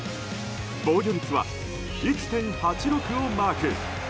防御率は１．８６をマーク。